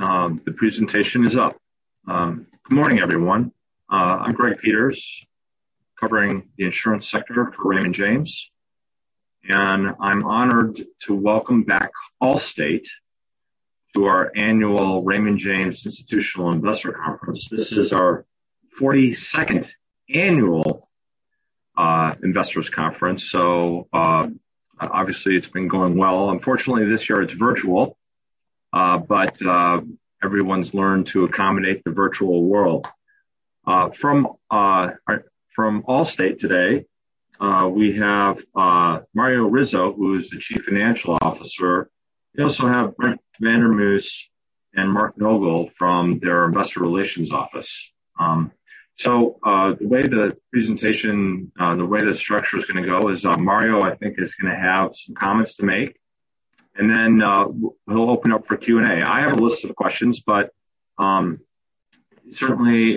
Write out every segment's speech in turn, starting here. All right. The presentation is up. Good morning, everyone. I'm Greg Peters, covering the insurance sector for Raymond James, and I'm honored to welcome back Allstate to our annual Raymond James Institutional Investor Conference. This is our 42nd annual investors conference, so obviously it's been going well. Unfortunately, this year it's virtual, but everyone's learned to accommodate the virtual world. From Allstate today, we have Mario Rizzo, who is the Chief Financial Officer. We also have Brent Vandermause and Mark Nogal from their Investor Relations office. The way the presentation, the way the structure is going to go is Mario, I think, is going to have some comments to make, and then we'll open up for Q&A. I have a list of questions, but certainly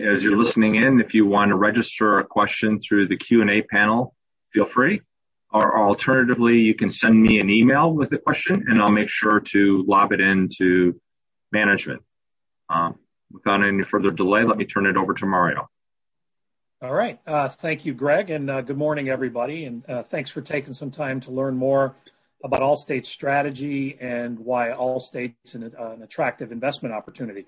as you're listening in, if you want to register a question through the Q&A panel, feel free, or alternatively, you can send me an email with the question, and I'll make sure to lob it into management. Without any further delay, let me turn it over to Mario. All right. Thank you, Greg, and good morning, everybody, and thanks for taking some time to learn more about Allstate's strategy and why Allstate is an attractive investment opportunity.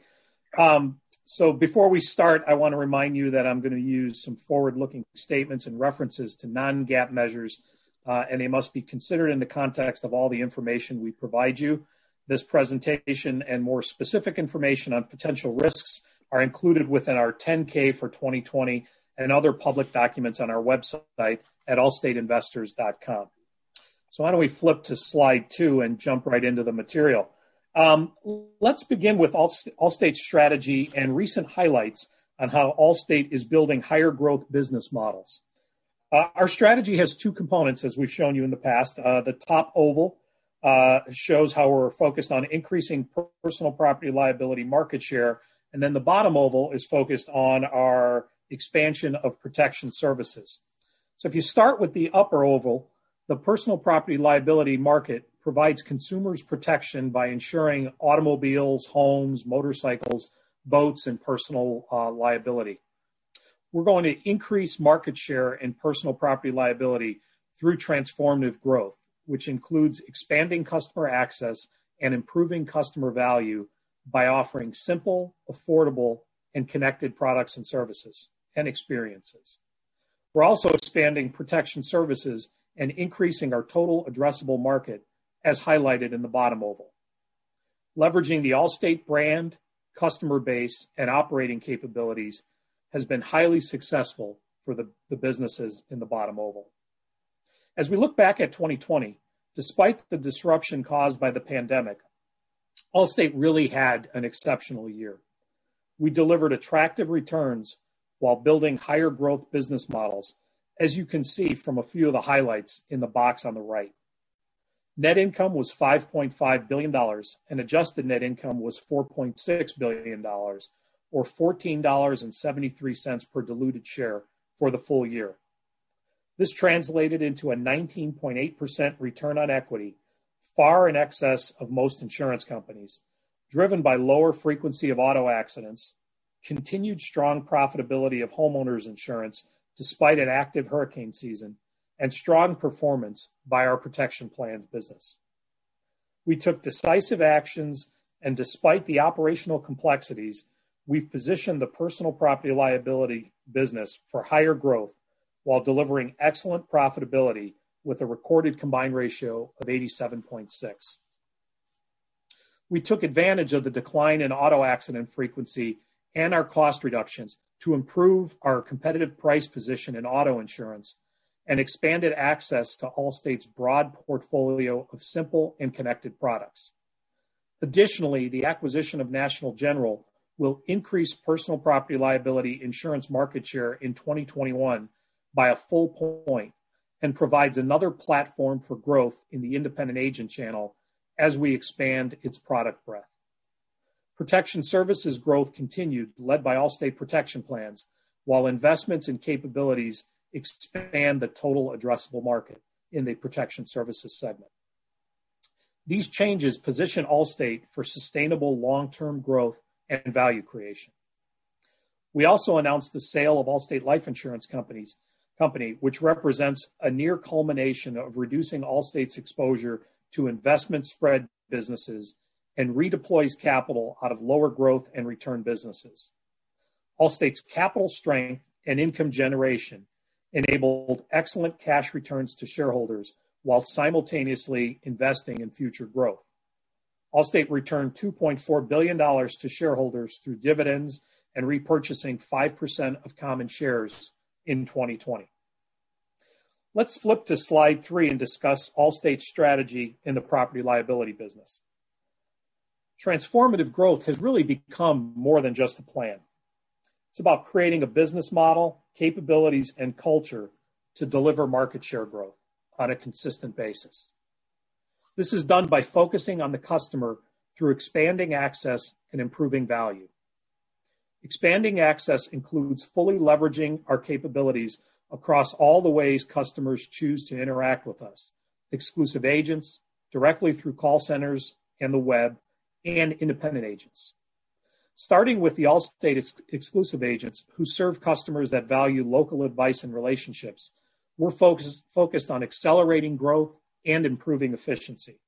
Before we start, I want to remind you that I'm going to use some forward-looking statements and references to non-GAAP measures, and they must be considered in the context of all the information we provide you. This presentation and more specific information on potential risks are included within our 10-K for 2020 and other public documents on our website at allstateinvestors.com. Why don't we flip to slide two and jump right into the material. Let's begin with Allstate's strategy and recent highlights on how Allstate is building higher growth business models. Our strategy has two components, as we've shown you in the past. The top oval shows how we're focused on increasing personal property liability market share, and then the bottom oval is focused on our expansion of Protection Services. If you start with the upper oval, the personal property liability market provides consumers protection by ensuring automobiles, homes, motorcycles, boats, and personal liability. We're going to increase market share and personal property liability through transformative growth, which includes expanding customer access and improving customer value by offering simple, affordable, and connected products and services and experiences. We're also expanding Protection Services and increasing our total addressable market, as highlighted in the bottom oval. Leveraging the Allstate brand, customer base, and operating capabilities has been highly successful for the businesses in the bottom oval. As we look back at 2020, despite the disruption caused by the pandemic, Allstate really had an exceptional year. We delivered attractive returns while building higher growth business models, as you can see from a few of the highlights in the box on the right. Net income was $5.5 billion, and adjusted net income was $4.6 billion, or $14.73 per diluted share for the full year. This translated into a 19.8% return on equity, far in excess of most insurance companies, driven by lower frequency of auto accidents, continued strong profitability of homeowners insurance despite an active hurricane season, and strong performance by our Protection Plans business. We took decisive actions, despite the operational complexities, we've positioned the personal property liability business for higher growth while delivering excellent profitability with a recorded combined ratio of 87.6%. We took advantage of the decline in auto accident frequency and our cost reductions to improve our competitive price position in auto insurance and expanded access to Allstate's broad portfolio of simple and connected products. Additionally, the acquisition of National General will increase personal property liability insurance market share in 2021 by a full point and provides another platform for growth in the Independent Agent channel as we expand its product breadth. Protection Services growth continued, led by Allstate Protection Plans, while investments and capabilities expand the total addressable market in the Protection Services segment. These changes position Allstate for sustainable long-term growth and value creation. We also announced the sale of Allstate Life Insurance Company, which represents a near culmination of reducing Allstate's exposure to investment spread businesses and redeploys capital out of lower growth and return businesses. Allstate's capital strength and income generation enabled excellent cash returns to shareholders while simultaneously investing in future growth. Allstate returned $2.4 billion to shareholders through dividends and repurchasing 5% of common shares in 2020. Let's flip to slide three and discuss Allstate's strategy in the property liability business. Transformative growth has really become more than just a plan. It's about creating a business model, capabilities, and culture to deliver market share growth on a consistent basis. This is done by focusing on the customer through expanding access and improving value. Expanding access includes fully leveraging our capabilities across all the ways customers choose to interact with us, exclusive agents, directly through call centers and the web, and independent agents. Starting with the Allstate exclusive agents who serve customers that value local advice and relationships, we're focused on accelerating growth and improving efficiency.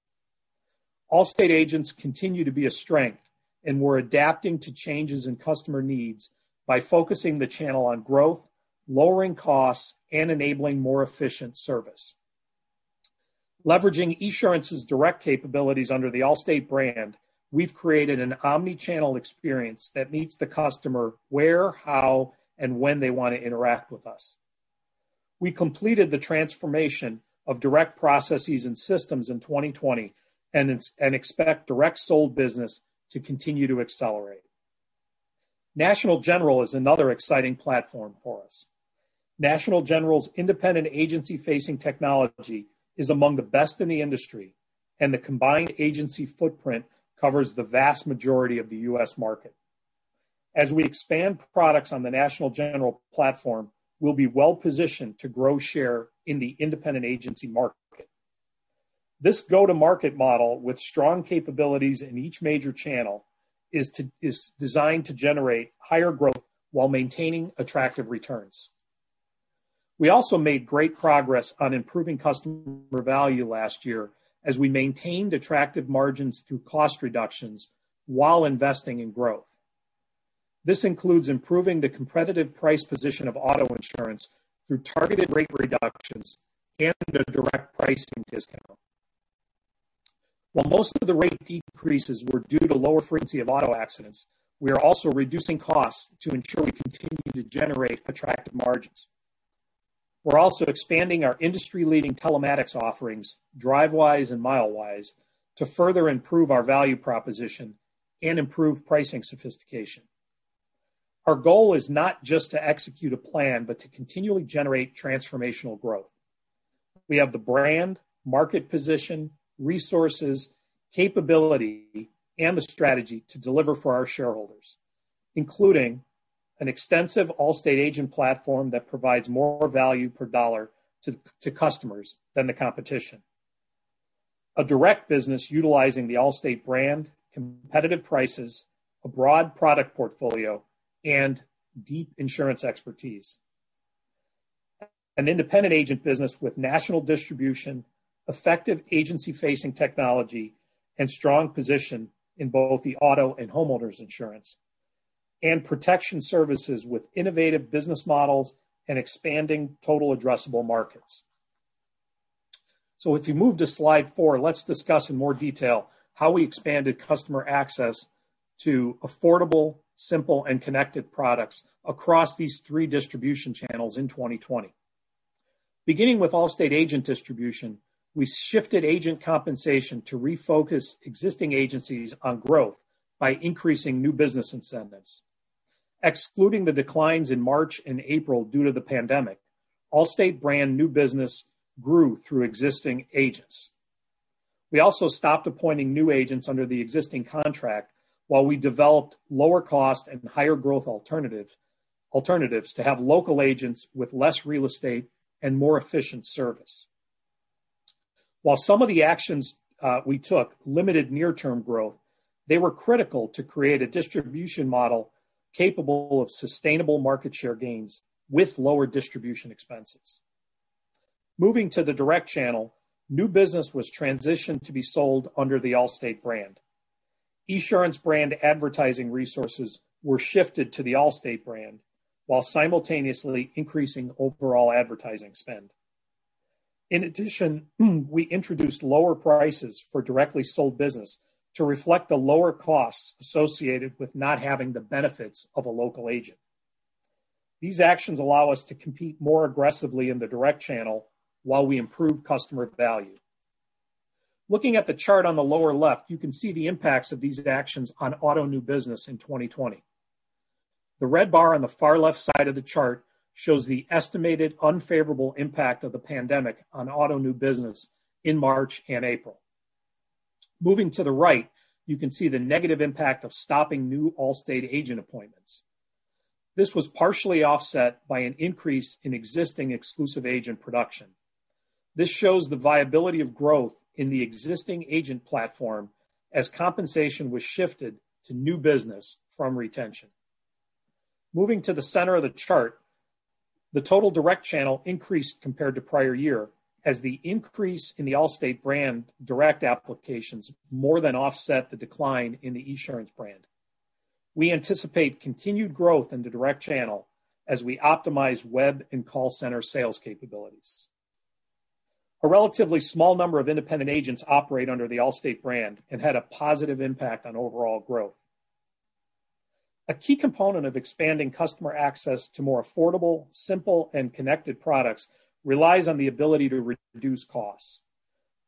Allstate agents continue to be a strength. We're adapting to changes in customer needs by focusing the channel on growth, lowering costs, and enabling more efficient service. Leveraging Esurance's direct capabilities under the Allstate brand, we've created an omnichannel experience that meets the customer where, how, and when they want to interact with us. We completed the transformation of direct processes and systems in 2020. We expect direct sold business to continue to accelerate. National General is another exciting platform for us. National General's independent agency-facing technology is among the best in the industry, and the combined agency footprint covers the vast majority of the U.S. market. As we expand products on the National General platform, we'll be well-positioned to grow share in the independent agency market. This go-to-market model with strong capabilities in each major channel is designed to generate higher growth while maintaining attractive returns. We also made great progress on improving customer value last year as we maintained attractive margins through cost reductions while investing in growth. This includes improving the competitive price position of auto insurance through targeted rate reductions and a direct pricing discount. While most of the rate decreases were due to lower frequency of auto accidents, we are also reducing costs to ensure we continue to generate attractive margins. We're also expanding our industry-leading telematics offerings, Drivewise and Milewise, to further improve our value proposition and improve pricing sophistication. Our goal is not just to execute a plan, but to continually generate transformational growth. We have the brand, market position, resources, capability, and the strategy to deliver for our shareholders, including an extensive Allstate agent platform that provides more value per dollar to customers than the competition. A direct business utilizing the Allstate brand, competitive prices, a broad product portfolio, and deep insurance expertise. An independent agent business with national distribution, effective agency-facing technology, and strong position in both the auto and homeowners insurance, and Protection Services with innovative business models and expanding total addressable markets. If you move to slide four, let's discuss in more detail how we expanded customer access to affordable, simple, and connected products across these three distribution channels in 2020. Beginning with Allstate agent distribution, we shifted agent compensation to refocus existing agencies on growth by increasing new business incentives. Excluding the declines in March and April due to the pandemic, Allstate brand new business grew through existing agents. We also stopped appointing new agents under the existing contract while we developed lower cost and higher growth alternatives to have local agents with less real estate and more efficient service. While some of the actions we took limited near-term growth, they were critical to create a distribution model capable of sustainable market share gains with lower distribution expenses. Moving to the direct channel, new business was transitioned to be sold under the Allstate brand. Esurance brand advertising resources were shifted to the Allstate brand while simultaneously increasing overall advertising spend. In addition, we introduced lower prices for directly sold business to reflect the lower costs associated with not having the benefits of a local agent. These actions allow us to compete more aggressively in the direct channel while we improve customer value. Looking at the chart on the lower left, you can see the impacts of these actions on auto new business in 2020. The red bar on the far left side of the chart shows the estimated unfavorable impact of the pandemic on auto new business in March and April. Moving to the right, you can see the negative impact of stopping new Allstate agent appointments. This was partially offset by an increase in existing exclusive agent production. This shows the viability of growth in the existing agent platform as compensation was shifted to new business from retention. Moving to the center of the chart, the total direct channel increased compared to prior year as the increase in the Allstate brand direct applications more than offset the decline in the Esurance brand. We anticipate continued growth in the direct channel as we optimize web and call center sales capabilities. A relatively small number of independent agents operate under the Allstate brand and had a positive impact on overall growth. A key component of expanding customer access to more affordable, simple, and connected products relies on the ability to reduce costs.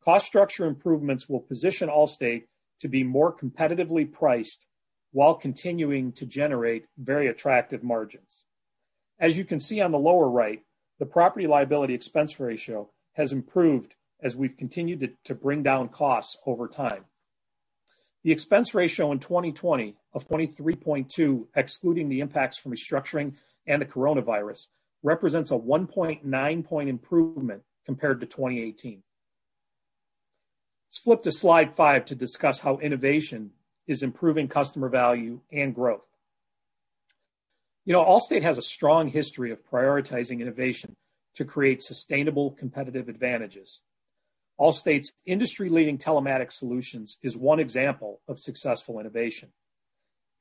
Cost structure improvements will position Allstate to be more competitively priced while continuing to generate very attractive margins. As you can see on the lower right, the property liability expense ratio has improved as we've continued to bring down costs over time. The expense ratio in 2020 of 23.2, excluding the impacts from restructuring and the coronavirus, represents a 1.9 point improvement compared to 2018. Let's flip to slide five to discuss how innovation is improving customer value and growth. Allstate has a strong history of prioritizing innovation to create sustainable competitive advantages. Allstate's industry-leading telematics solutions is one example of successful innovation.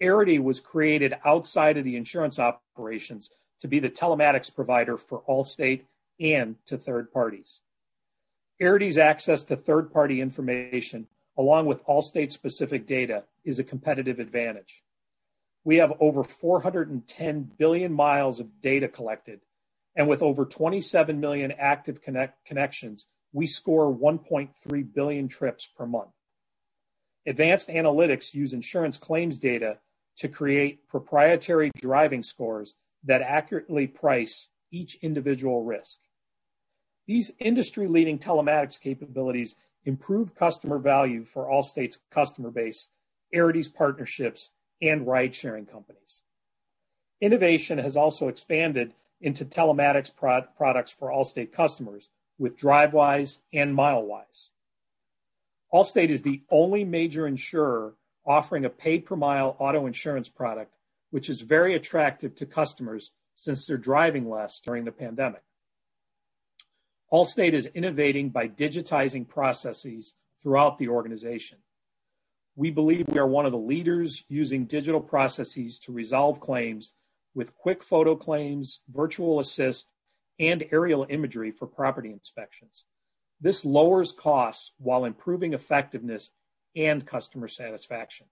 Arity was created outside of the insurance operations to be the telematics provider for Allstate and to third parties. Arity's access to third-party information, along with Allstate's specific data, is a competitive advantage. We have over 410 billion miles of data collected, and with over 27 million active connections, we score 1.3 billion trips per month. Advanced analytics use insurance claims data to create proprietary driving scores that accurately price each individual risk. These industry-leading telematics capabilities improve customer value for Allstate's customer base, Arity's partnerships, and ride-sharing companies. Innovation has also expanded into telematics products for Allstate customers with Drivewise and Milewise. Allstate is the only major insurer offering a pay-per-mile auto insurance product, which is very attractive to customers since they're driving less during the pandemic. Allstate is innovating by digitizing processes throughout the organization. We believe we are one of the leaders using digital processes to resolve claims with QuickFoto Claim, Virtual Assist, and aerial imagery for property inspections. This lowers costs while improving effectiveness and customer satisfaction.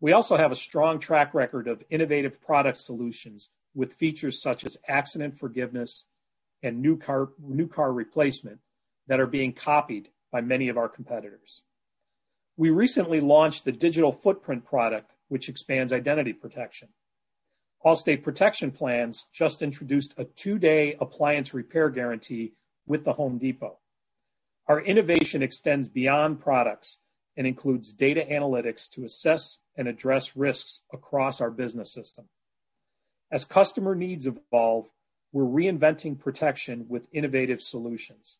We also have a strong track record of innovative product solutions with features such as Accident Forgiveness and New Car Replacement that are being copied by many of our competitors. We recently launched the Digital Footprint product, which expands Identity Protection. Allstate Protection Plans just introduced a two-day appliance repair guarantee with The Home Depot. Our innovation extends beyond products and includes data analytics to assess and address risks across our business system. As customer needs evolve, we're reinventing protection with innovative solutions.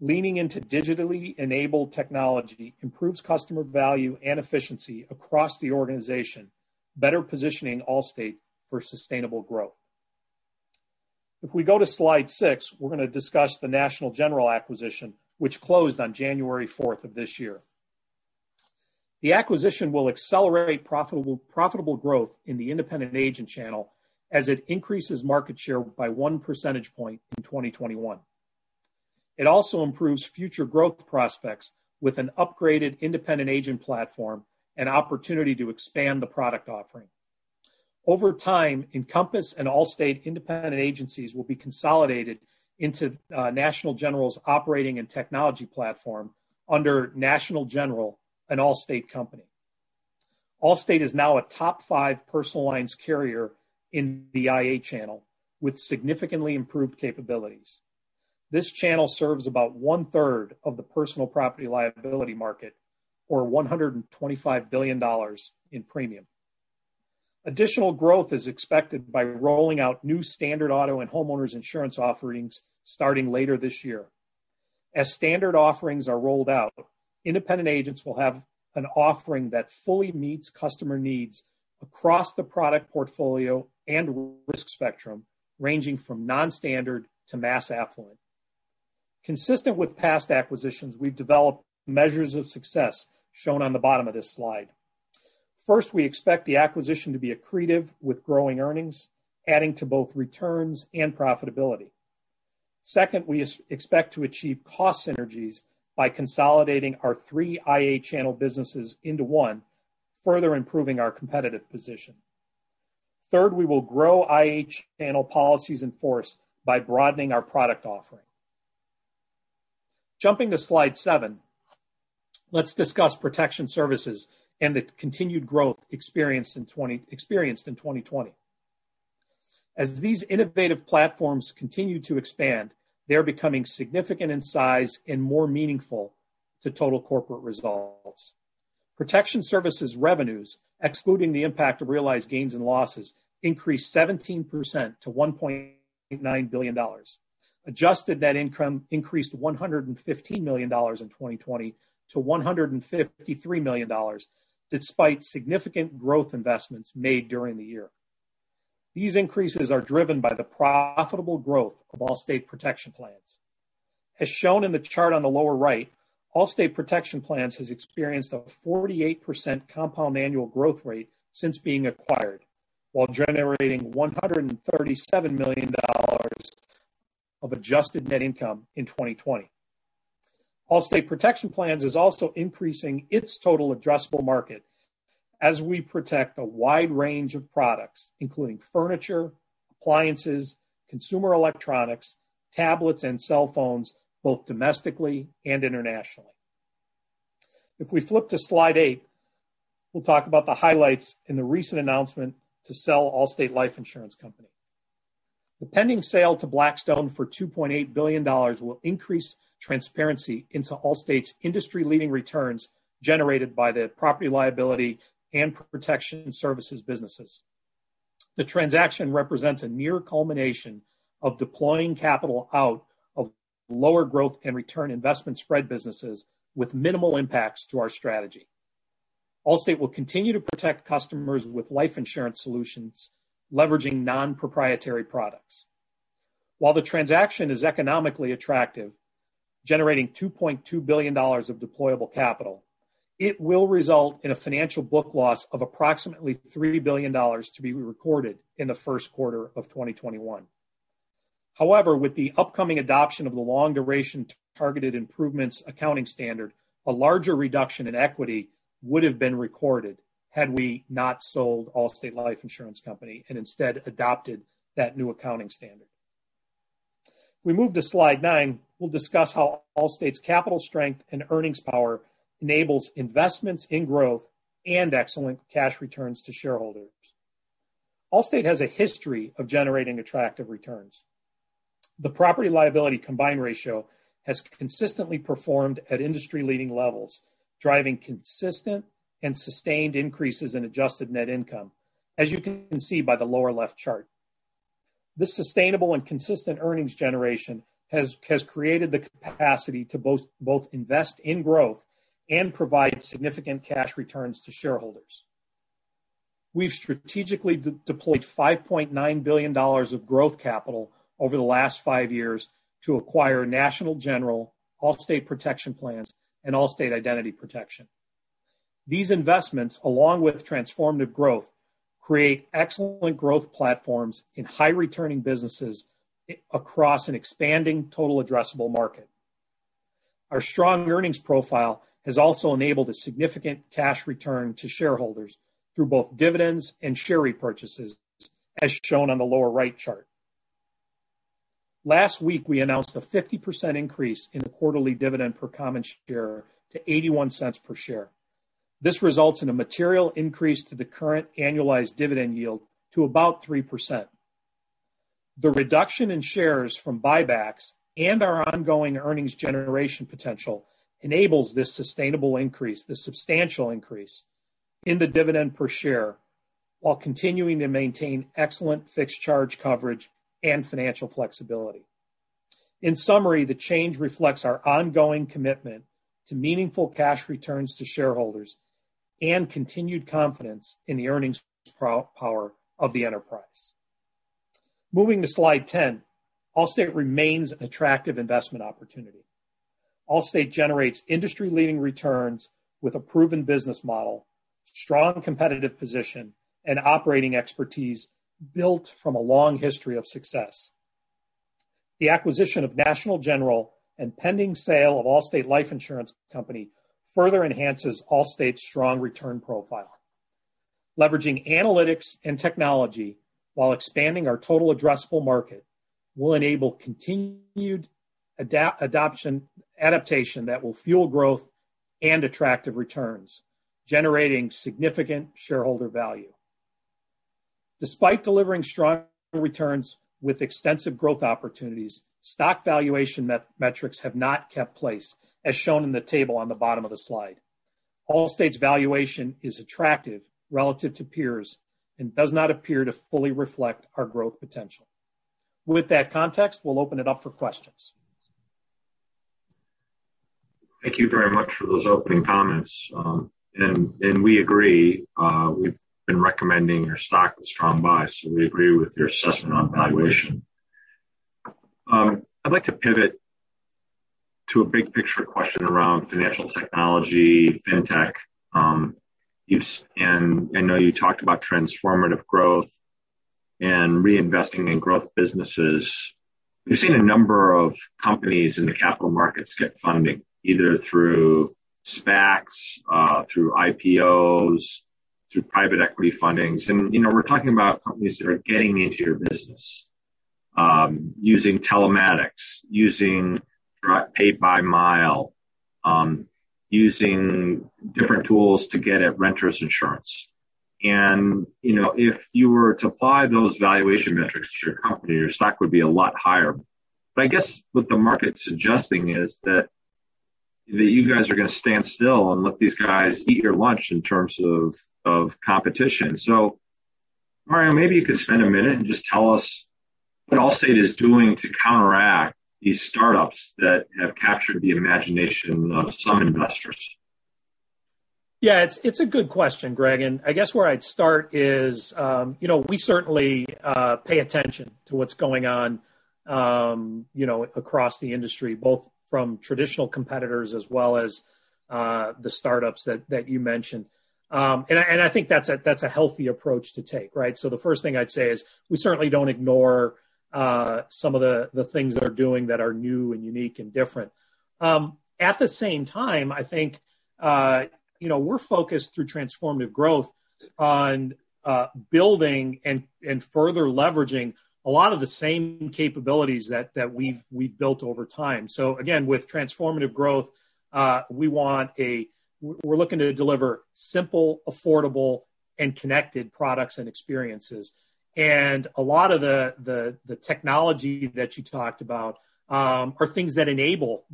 Leaning into digitally enabled technology improves customer value and efficiency across the organization, better positioning Allstate for sustainable growth. If we go to slide six, we're going to discuss the National General acquisition, which closed on January 4th of this year. The acquisition will accelerate profitable growth in the independent agent channel as it increases market share by one percentage point in 2021. It also improves future growth prospects with an upgraded independent agent platform and opportunity to expand the product offering. Over time, Encompass and Allstate independent agencies will be consolidated into National General's operating and technology platform under National General, an Allstate company. Allstate is now a top five personal lines carrier in the IA channel with significantly improved capabilities. This channel serves about one-third of the personal property liability market, or $125 billion in premium. Additional growth is expected by rolling out new standard auto and homeowners insurance offerings starting later this year. As standard offerings are rolled out, independent agents will have an offering that fully meets customer needs across the product portfolio and risk spectrum, ranging from non-standard to mass affluent. Consistent with past acquisitions, we've developed measures of success shown on the bottom of this slide. First, we expect the acquisition to be accretive with growing earnings, adding to both returns and profitability. Second, we expect to achieve cost synergies by consolidating our three IA channel businesses into one, further improving our competitive position. Third, we will grow IA channel policies in force by broadening our product offering. Jumping to slide seven, let's discuss Protection Services and the continued growth experienced in 2020. As these innovative platforms continue to expand, they're becoming significant in size and more meaningful to total corporate results. Protection Services revenues, excluding the impact of realized gains and losses, increased 17% to $1.9 billion. Adjusted net income increased $115 million in 2020 to $153 million, despite significant growth investments made during the year. These increases are driven by the profitable growth of Allstate Protection Plans. As shown in the chart on the lower right, Allstate Protection Plans has experienced a 48% compound annual growth rate since being acquired while generating $137 million of adjusted net income in 2020. Allstate Protection Plans is also increasing its total addressable market as we protect a wide range of products, including furniture, appliances, consumer electronics, tablets, and cell phones, both domestically and internationally. If we flip to slide eight, we'll talk about the highlights in the recent announcement to sell Allstate Life Insurance Company. The pending sale to Blackstone for $2.8 billion will increase transparency into Allstate's industry-leading returns generated by the property liability and Protection Services businesses. The transaction represents a near culmination of deploying capital out of lower growth and return investment spread businesses with minimal impacts to our strategy. Allstate will continue to protect customers with life insurance solutions, leveraging non-proprietary products. While the transaction is economically attractive, generating $2.2 billion of deployable capital, it will result in a financial book loss of approximately $3 billion to be recorded in the first quarter of 2021. However, with the upcoming adoption of the Long-Duration Targeted Improvements accounting standard, a larger reduction in equity would've been recorded had we not sold Allstate Life Insurance Company and instead adopted that new accounting standard. If we move to slide nine, we'll discuss how Allstate's capital strength and earnings power enables investments in growth and excellent cash returns to shareholders. Allstate has a history of generating attractive returns. The property liability combined ratio has consistently performed at industry-leading levels, driving consistent and sustained increases in adjusted net income, as you can see by the lower left chart. This sustainable and consistent earnings generation has created the capacity to both invest in growth and provide significant cash returns to shareholders. We've strategically deployed $5.9 billion of growth capital over the last five years to acquire National General, Allstate Protection Plans, and Allstate Identity Protection. These investments, along with transformative growth, create excellent growth platforms in high-returning businesses across an expanding total addressable market. Our strong earnings profile has also enabled a significant cash return to shareholders through both dividends and share repurchases, as shown on the lower right chart. Last week, we announced a 50% increase in the quarterly dividend per common share to $0.81 per share. This results in a material increase to the current annualized dividend yield to about 3%. The reduction in shares from buybacks and our ongoing earnings generation potential enables this sustainable increase, this substantial increase in the dividend per share, while continuing to maintain excellent fixed charge coverage and financial flexibility. In summary, the change reflects our ongoing commitment to meaningful cash returns to shareholders and continued confidence in the earnings power of the enterprise. Moving to slide 10, Allstate remains an attractive investment opportunity. Allstate generates industry-leading returns with a proven business model, strong competitive position, and operating expertise built from a long history of success. The acquisition of National General and pending sale of Allstate Life Insurance Company further enhances Allstate's strong return profile. Leveraging analytics and technology while expanding our total addressable market will enable continued adaptation that will fuel growth and attractive returns, generating significant shareholder value. Despite delivering strong returns with extensive growth opportunities, stock valuation metrics have not kept place, as shown in the table on the bottom of the slide. Allstate's valuation is attractive relative to peers and does not appear to fully reflect our growth potential. With that context, we'll open it up for questions. Thank you very much for those opening comments. We agree. We've been recommending your stock with strong buy, we agree with your assessment on valuation. I'd like to pivot to a big-picture question around financial technology, fintech. I know you talked about transformative growth and reinvesting in growth businesses. We've seen a number of companies in the capital markets get funding, either through SPACs, through IPOs, through private equity fundings. We're talking about companies that are getting into your business, using telematics, using pay by mile, using different tools to get at renters insurance. If you were to apply those valuation metrics to your company, your stock would be a lot higher. I guess what the market's suggesting is that you guys are going to stand still and let these guys eat your lunch in terms of competition. Mario, maybe you could spend a minute and just tell us what Allstate is doing to counteract these startups that have captured the imagination of some investors. Yeah, it's a good question, Greg. I guess where I'd start is we certainly pay attention to what's going on across the industry, both from traditional competitors as well as the startups that you mentioned. I think that's a healthy approach to take, right? The first thing I'd say is we certainly don't ignore some of the things they're doing that are new and unique and different. At the same time, I think we're focused through Transformative Growth on building and further leveraging a lot of the same capabilities that we've built over time. Again, with Transformative Growth, we're looking to deliver simple, affordable and connected products and experiences. A lot of the technology that you talked about are things that enable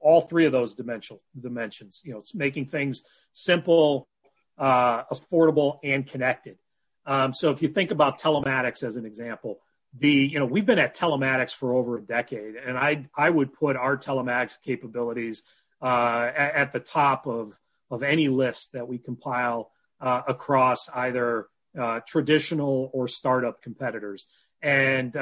all three of those dimensions. It's making things simple, affordable, and connected. If you think about telematics as an example, we've been at telematics for over a decade, and I would put our telematics capabilities at the top of any list that we compile across either traditional or startup competitors. In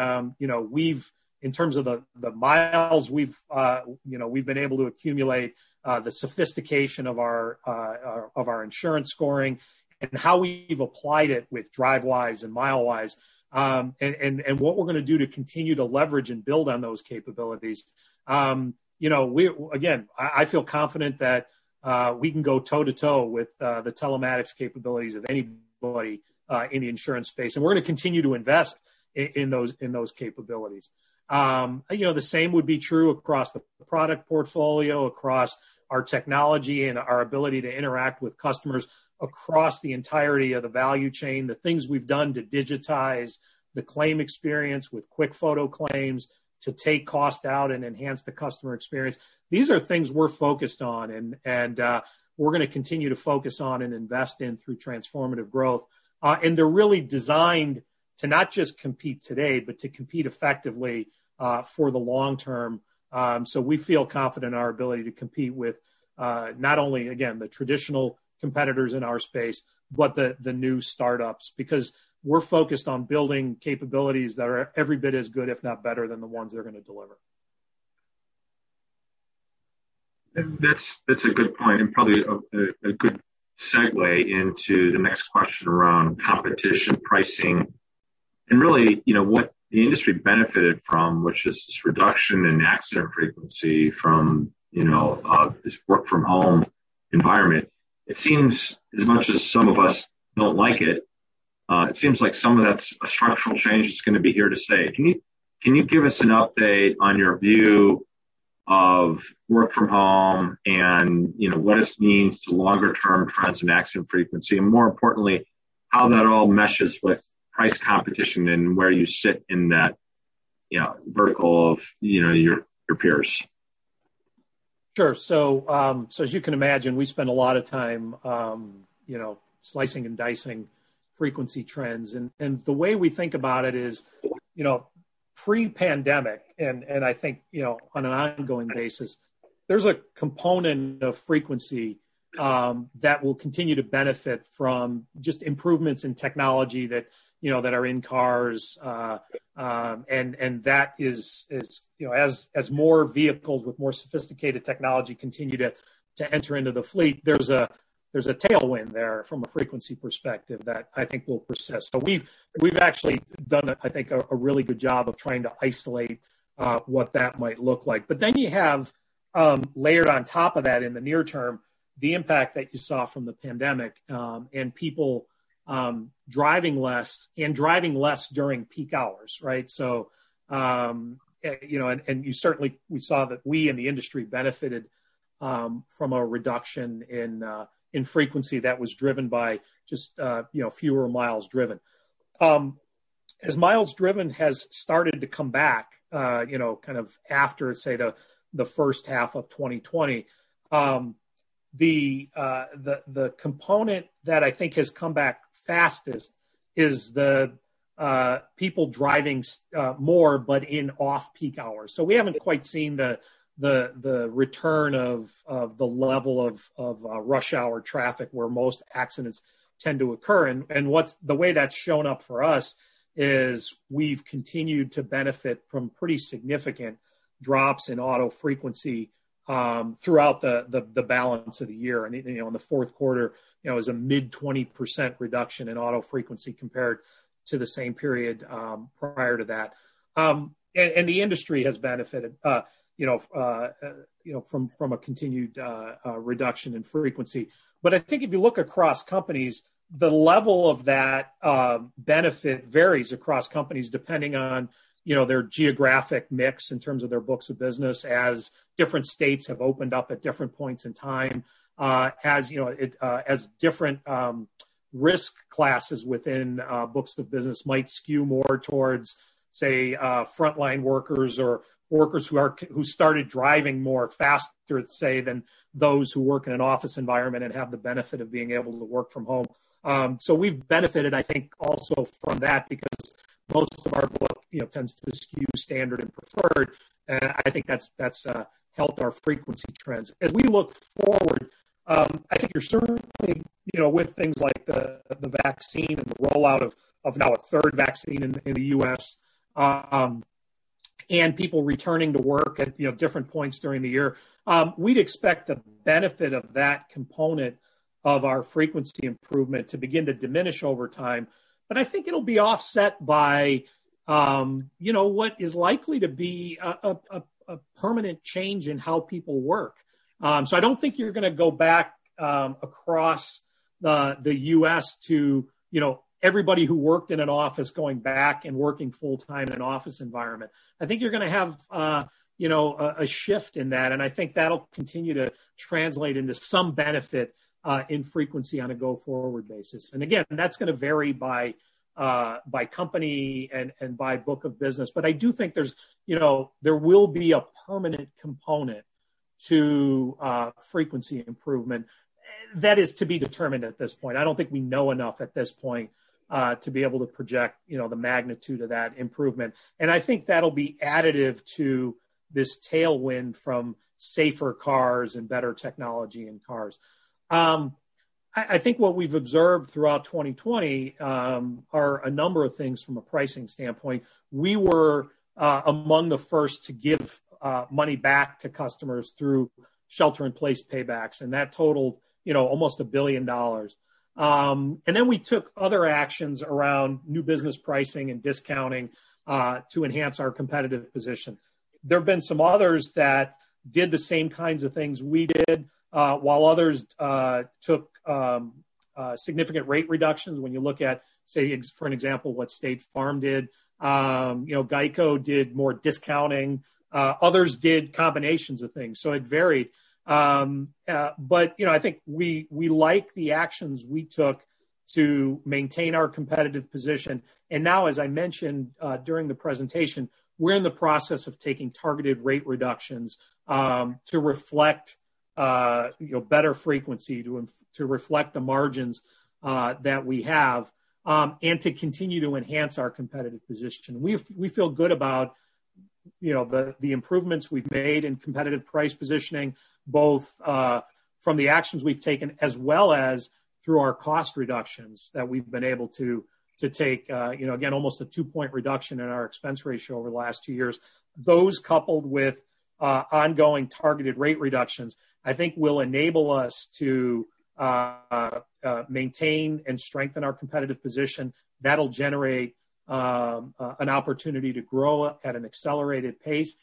terms of the miles, we've been able to accumulate the sophistication of our insurance scoring and how we've applied it with Drivewise and Milewise, and what we're going to do to continue to leverage and build on those capabilities. Again, I feel confident that we can go toe-to-toe with the telematics capabilities of anybody in the insurance space, and we're going to continue to invest in those capabilities. The same would be true across the product portfolio, across our technology, and our ability to interact with customers across the entirety of the value chain, the things we've done to digitize the claim experience with QuickFoto Claims, to take cost out and enhance the customer experience. These are things we're focused on, and we're going to continue to focus on and invest in through Transformative Growth. They're really designed to not just compete today, but to compete effectively for the long term. We feel confident in our ability to compete with not only, again, the traditional competitors in our space, but the new startups, because we're focused on building capabilities that are every bit as good, if not better than the ones they're going to deliver. That's a good point, probably a good segue into the next question around competition pricing and really, what the industry benefited from, which is this reduction in accident frequency from this work-from-home environment. As much as some of us don't like it seems like some of that structural change is going to be here to stay. Can you give us an update on your view of work from home and what this means to longer-term trends in accident frequency? More importantly, how that all meshes with price competition and where you sit in that vertical of your peers? Sure. As you can imagine, we spend a lot of time slicing and dicing frequency trends. The way we think about it is, pre-pandemic, and I think on an ongoing basis, there's a component of frequency that will continue to benefit from just improvements in technology that are in cars. As more vehicles with more sophisticated technology continue to enter into the fleet, there's a tailwind there from a frequency perspective that I think will persist. We've actually done, I think, a really good job of trying to isolate what that might look like. You have layered on top of that in the near term, the impact that you saw from the pandemic, and people driving less and driving less during peak hours, right? Certainly, we saw that we in the industry benefited from a reduction in frequency that was driven by just fewer miles driven. As miles driven has started to come back after, say, the first half of 2020, the component that I think has come back fastest is the people driving more but in off-peak hours. We haven't quite seen the return of the level of rush hour traffic where most accidents tend to occur. The way that's shown up for us is we've continued to benefit from pretty significant drops in auto frequency throughout the balance of the year. In the fourth quarter, it was a mid-20% reduction in auto frequency compared to the same period prior to that. The industry has benefited from a continued reduction in frequency. I think if you look across companies, the level of that benefit varies across companies depending on their geographic mix in terms of their books of business as different states have opened up at different points in time, as different risk classes within books of business might skew more towards, say, frontline workers or workers who started driving more faster, say, than those who work in an office environment and have the benefit of being able to work from home. We've benefited, I think, also from that because most of our book tends to skew standard and preferred, and I think that's helped our frequency trends. As we look forward, I think you're certainly, with things like the vaccine and the rollout of now a third vaccine in the U.S., and people returning to work at different points during the year, we'd expect the benefit of that component of our frequency improvement to begin to diminish over time. I think it'll be offset by what is likely to be a permanent change in how people work. I don't think you're going to go back across the U.S. to everybody who worked in an office going back and working full-time in an office environment. I think you're going to have a shift in that, and I think that'll Translate into some benefit in frequency on a go-forward basis. Again, that's going to vary by company and by book of business. I do think there will be a permanent component to frequency improvement. That is to be determined at this point. I don't think we know enough at this point to be able to project the magnitude of that improvement. I think that'll be additive to this tailwind from safer cars and better technology in cars. I think what we've observed throughout 2020 are a number of things from a pricing standpoint. We were among the first to give money back to customers through Shelter-in-Place Payback, and that totaled almost $1 billion. We took other actions around new business pricing and discounting to enhance our competitive position. There have been some others that did the same kinds of things we did, while others took significant rate reductions. When you look at, for an example, what State Farm did. Geico did more discounting. Others did combinations of things, so it varied. I think we like the actions we took to maintain our competitive position. As I mentioned during the presentation, we're in the process of taking targeted rate reductions to reflect better frequency, to reflect the margins that we have, and to continue to enhance our competitive position. We feel good about the improvements we've made in competitive price positioning, both from the actions we've taken as well as through our cost reductions that we've been able to take. Again, almost a two-point reduction in our expense ratio over the last two years. Those coupled with ongoing targeted rate reductions, I think will enable us to maintain and strengthen our competitive position. That'll generate an opportunity to grow at an accelerated pace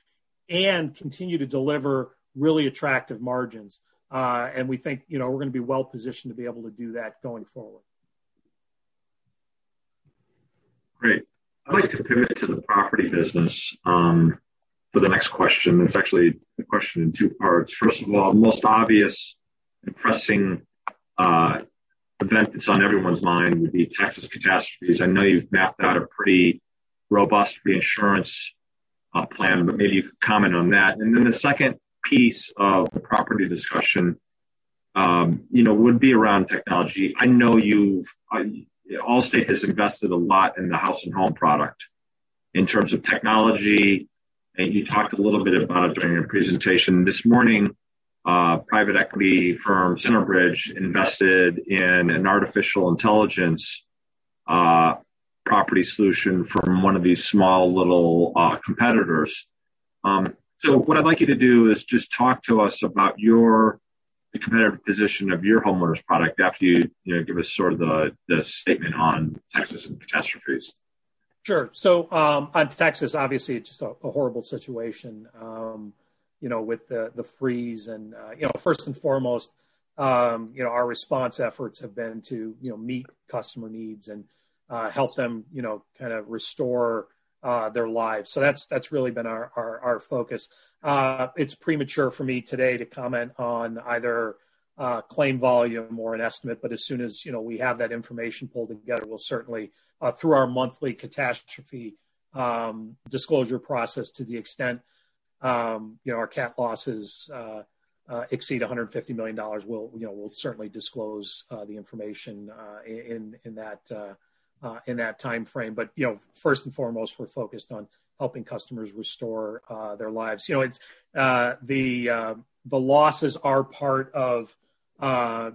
and continue to deliver really attractive margins. We think we're going to be well-positioned to be able to do that going forward. Great. I'd like to pivot to the property business for the next question. It's actually a question in two parts. First of all, the most obvious pressing event that's on everyone's mind would be Texas catastrophes. I know you've mapped out a pretty robust reinsurance plan, but maybe you could comment on that. The second piece of the property discussion would be around technology. I know Allstate has invested a lot in the Allstate House and Home product in terms of technology, and you talked a little bit about it during your presentation this morning. Private equity firm Centerbridge invested in an artificial intelligence, property solution from one of these small competitors. What I'd like you to do is just talk to us about the competitive position of your homeowners product after you give us the statement on Texas and catastrophes. Sure. On Texas, obviously, it's just a horrible situation with the freeze. First and foremost, our response efforts have been to meet customer needs and help them restore their lives. That's really been our focus. It's premature for me today to comment on either claim volume or an estimate. As soon as we have that information pulled together, through our monthly catastrophe disclosure process, to the extent our cat losses exceed $150 million, we'll certainly disclose the information in that timeframe. First and foremost, we're focused on helping customers restore their lives. The losses are part of,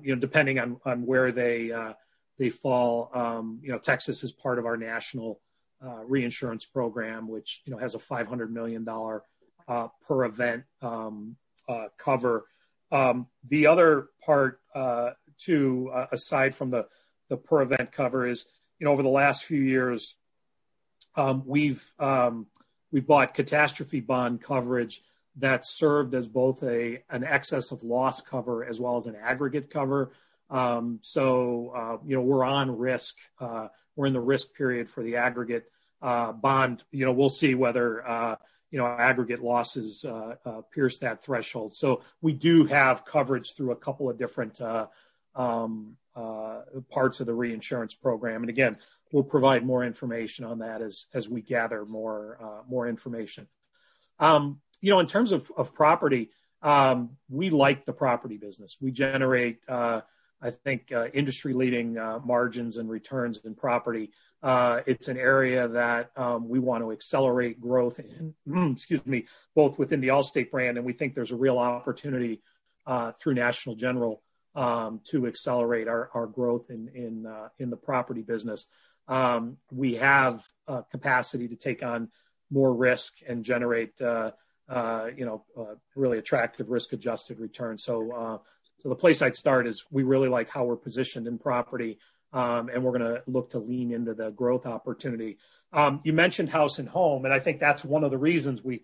depending on where they fall, Texas is part of our national reinsurance program, which has a $500 million per event cover. The other part, too, aside from the per event cover, is over the last few years, we've bought catastrophe bond coverage that served as both an excess of loss cover as well as an aggregate cover. We're on risk. We're in the risk period for the aggregate bond. We'll see whether aggregate losses pierce that threshold. We do have coverage through a couple of different parts of the reinsurance program. Again, we'll provide more information on that as we gather more information. In terms of property, we like the property business. We generate, I think, industry-leading margins and returns in property. It's an area that we want to accelerate growth in, excuse me, both within the Allstate brand, and we think there's a real opportunity through National General to accelerate our growth in the property business. We have capacity to take on more risk and generate a really attractive risk-adjusted return. The place I'd start is we really like how we're positioned in property, and we're going to look to lean into the growth opportunity. You mentioned Allstate House and Home, and I think that's one of the reasons we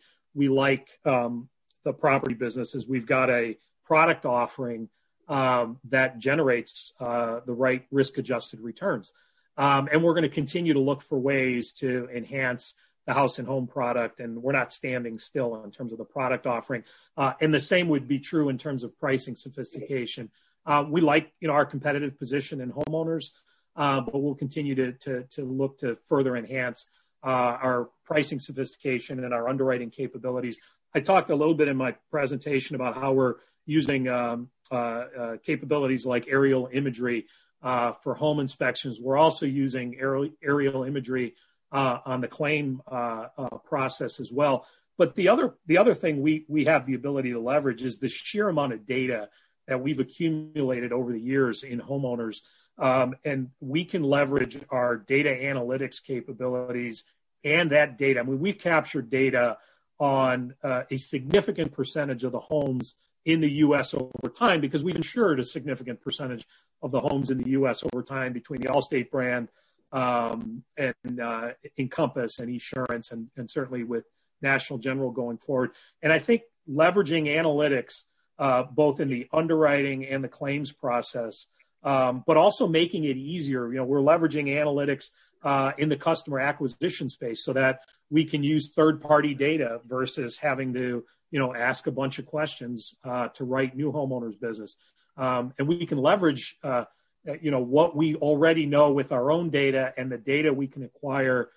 like the property business is we've got a product offering that generates the right risk-adjusted returns. We're going to continue to look for ways to enhance the Allstate House and Home product, and we're not standing still in terms of the product offering. The same would be true in terms of pricing sophistication. We like our competitive position in homeowners. We'll continue to look to further enhance our pricing sophistication and our underwriting capabilities. I talked a little bit in my presentation about how we're using capabilities like aerial imagery for home inspections. We're also using aerial imagery on the claim process as well. The other thing we have the ability to leverage is the sheer amount of data that we've accumulated over the years in homeowners. We can leverage our data analytics capabilities and that data. We've captured data on a significant percentage of the homes in the U.S. over time because we've insured a significant percentage of the homes in the U.S. over time between the Allstate brand, and Encompass, and Esurance, and certainly with National General going forward. I think leveraging analytics both in the underwriting and the claims process, but also making it easier. We're leveraging analytics in the customer acquisition space so that we can use third-party data versus having to ask a bunch of questions to write new homeowners business. We can leverage what we already know with our own data and the data we can acquire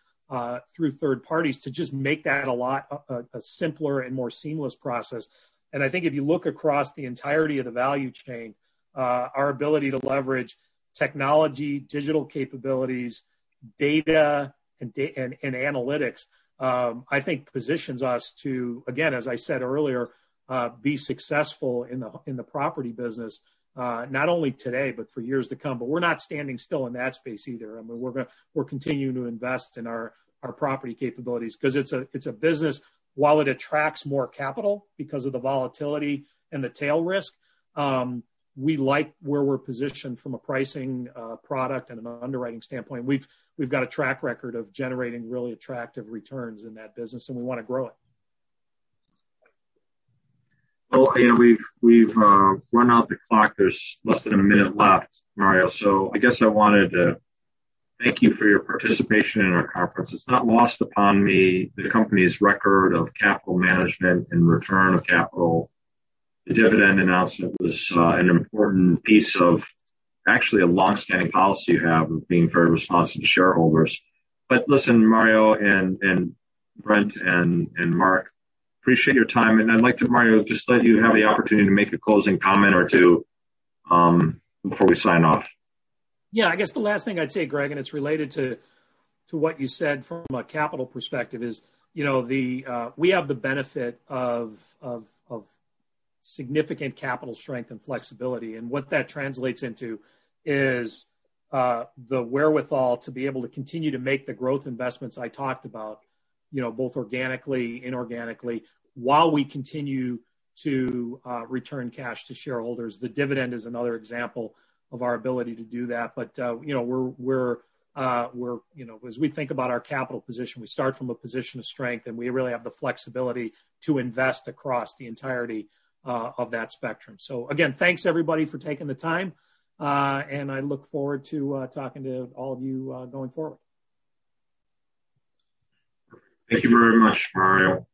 through third parties to just make that a lot simpler and more seamless process. I think if you look across the entirety of the value chain, our ability to leverage technology, digital capabilities, data, and analytics, I think positions us to, again, as I said earlier, be successful in the property business, not only today, but for years to come. We're not standing still in that space either. We're continuing to invest in our property capabilities because it's a business, while it attracts more capital because of the volatility and the tail risk, we like where we're positioned from a pricing product and an underwriting standpoint. We've got a track record of generating really attractive returns in that business, and we want to grow it. Well, we've run out the clock. There's less than one minute left, Mario. I guess I wanted to thank you for your participation in our conference. It's not lost upon me the company's record of capital management and return of capital. The dividend announcement was an important piece of actually a longstanding policy you have of being very responsive to shareholders. Listen, Mario and Brent and Mark, appreciate your time, and I'd like to, Mario, just let you have the opportunity to make a closing comment or two before we sign off. Yeah. I guess the last thing I'd say, Greg, it's related to what you said from a capital perspective is we have the benefit of significant capital strength and flexibility, and what that translates into is the wherewithal to be able to continue to make the growth investments I talked about, both organically, inorganically, while we continue to return cash to shareholders. The dividend is another example of our ability to do that. As we think about our capital position, we start from a position of strength, and we really have the flexibility to invest across the entirety of that spectrum. Again, thanks everybody for taking the time, and I look forward to talking to all of you going forward. Thank you very much, Mario.